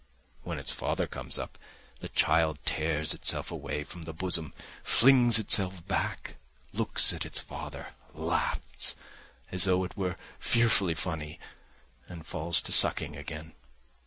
When its father comes up, the child tears itself away from the bosom, flings itself back, looks at its father, laughs, as though it were fearfully funny, and falls to sucking again.